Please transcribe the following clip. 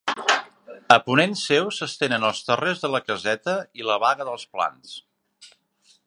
A ponent seu s'estenen els Terrers de la Caseta i la Baga dels Plans.